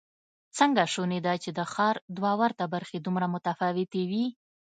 څنګه شونې ده چې د ښار دوه ورته برخې دومره متفاوتې وي؟